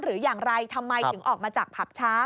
หรืออย่างไรทำไมถึงออกมาจากผับช้า